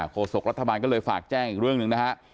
โศกรัฐบาลก็เลยฝากแจ้งอีกเรื่องหนึ่งนะฮะ